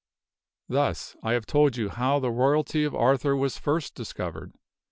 Thus I have told you how the royalty of Arthur was first discovered.